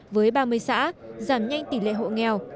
với ba mươi xã giảm nhanh tỷ lệ hộ nghèo